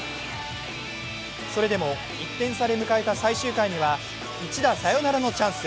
それでも１点差で迎えた最終回には１打サヨナラのチャンス。